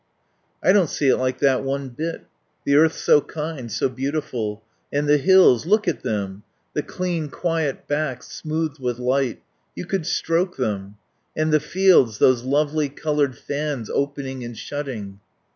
"I don't see it like that one bit. The earth's so kind, so beautiful. And the hills look at them, the clean, quiet backs, smoothed with light. You could stroke them. And the fields, those lovely coloured fans opening and shutting."